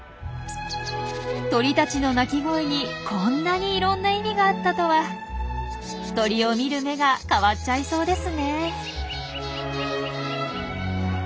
鳥たちの鳴き声にこんなにいろんな意味があったとは鳥を見る目が変わっちゃいそうですねえ。